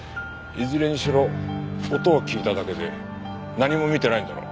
いずれにしろ音を聞いただけで何も見てないんだろ。